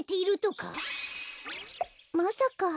まさか。